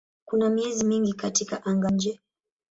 Kuna miezi mingi katika anga-nje.